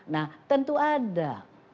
nah tentu ada